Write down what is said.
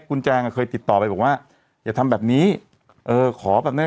คุณแจงอ่ะเคยติดต่อไปบอกว่าอย่าทำแบบนี้เออขอแบบเนี้ย